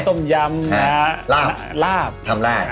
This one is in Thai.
ต้มยำลาบทำได้